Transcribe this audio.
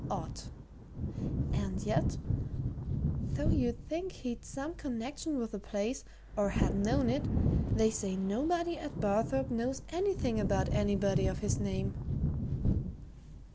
Odd! And yet, though you'd think he'd some connection with the place, or had known it, they say nobody at Barthorpe knows anything about anybody of his name."